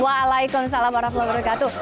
waalaikumsalam warahmatullahi wabarakatuh